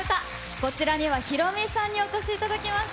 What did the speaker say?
こちらにはヒロミさんにお越しいただきました。